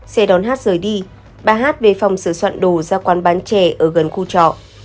xe đón hát rời đi bà hát về phòng sự soạn đồ ra quán bán trẻ ở gần khu trọ